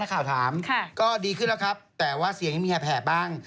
ข่าวถามก็ดีขึ้นแล้วครับแต่ว่าเสียงนี้มีไงแผ่บ้าง